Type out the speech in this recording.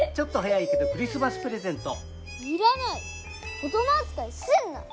子供扱いすんな！